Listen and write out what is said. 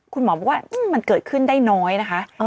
คุณหมอบอกว่ามันเกิดขึ้นได้น้อยนะคะ